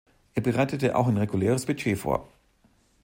Er bereitete auch ein reguläres Budget vor.